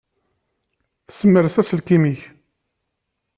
Ssemres aselkim-ik.